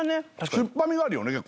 酸っぱみがあるよね結構ね。